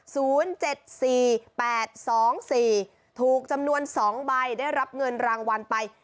แปดสองสี่ถูกจำนวนสองใบได้รับเงินรางวัลไป